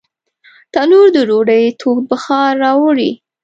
تنور د ډوډۍ تود بخار راوړي